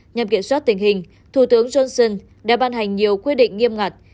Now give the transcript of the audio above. nhằm kiểm soát tình hình thủ tướng johnson đã ban hành nhiều quy định nghiêm ngặt